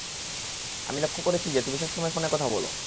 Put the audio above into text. আমি লক্ষ্য করছি যে তুমি সবসময় ফোনে কথা বলো।